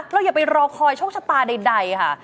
อย่าไปรอคอยโชคชะตาใดค่ะ